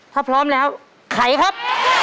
ถ้าพร้อมแล้วไขครับ